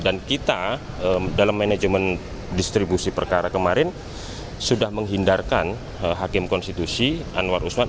dan kita dalam manajemen distribusi perkara kemarin sudah menghindarkan hakim konstitusi anwar usman